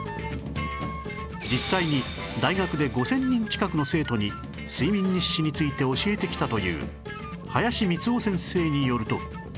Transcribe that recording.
実際に大学で５０００人近くの生徒に睡眠日誌について教えてきたという林光緒先生によると